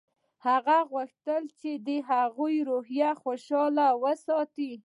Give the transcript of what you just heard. هغه غوښتل چې د هغه روحیه خوشحاله وساتي